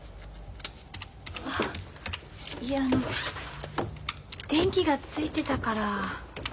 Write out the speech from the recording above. いやあの電気がついてたから。